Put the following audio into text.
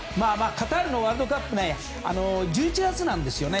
カタールのワールドカップまで１１月なんですよね。